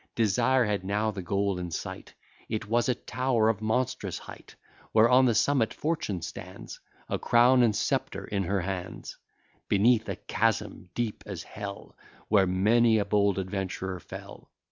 Desire had now the goal in sight; It was a tower of monstrous height; Where on the summit Fortune stands, A crown and sceptre in her hands; Beneath, a chasm as deep as Hell, Where many a bold adventurer fell.